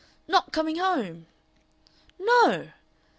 "Not coming home!" "No!"